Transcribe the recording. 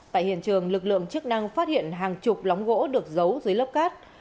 tại hiện trường lực lượng chức năng phát hiện hàng chục lóng gỗ được giấu dưới lớp cát